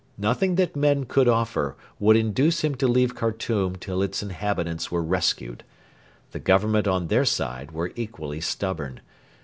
Nothing that men could offer would induce him to leave Khartoum till its inhabitants were rescued. The Government on their side were equally stubborn.